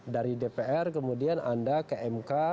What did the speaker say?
dari dpr kemudian anda ke mk